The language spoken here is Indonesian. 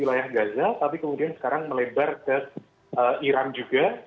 pertama itu sudah terjadi di wilayah gaza tapi kemudian sekarang melebar ke iran juga